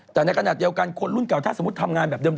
แต่ในขณะเดียวกันคนรุ่นเก่าถ้าสมมุติทำงานแบบเดิม